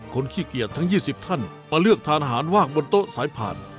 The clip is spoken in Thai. ขี้เกียจทั้ง๒๐ท่านมาเลือกทานอาหารว่างบนโต๊ะสายผ่าน